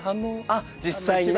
あっ実際に。